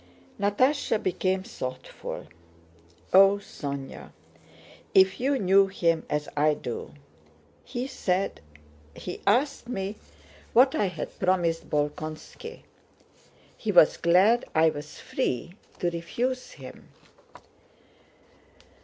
Natásha became thoughtful. "Oh, Sónya, if you knew him as I do! He said... He asked me what I had promised Bolkónski. He was glad I was free to refuse him."